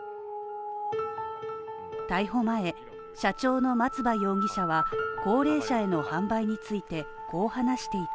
逮捕前、社長の松葉容疑者は、高齢者への販売についてこう話していた。